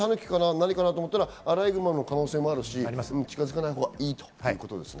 何かな？と思ったらアライグマの可能性もあるし、近づかないほうがいいということですね。